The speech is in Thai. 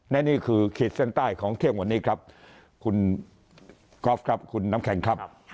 และนี่คือขีดเส้นใต้ของเที่ยงวันนี้ครับคุณกอล์ฟครับคุณน้ำแข็งครับ